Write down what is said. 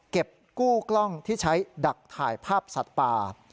เก็บกู้กล้องที่ใช้ดักถ่ายภาพสัตว์ป่า